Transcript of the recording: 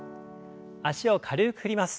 脚を軽く振ります。